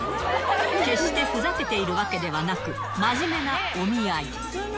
決してふざけているわけではなく、真面目なお見合い。